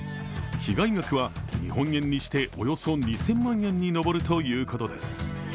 被害額は日本円にしておよそ２０００万円に上るということです。